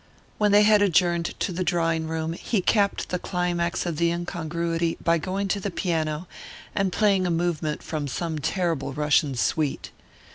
When they had adjourned to the drawing room, he capped the climax of the incongruity by going to the piano and playing a movement from some terrible Russian suite.